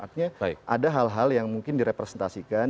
artinya ada hal hal yang mungkin direpresentasikan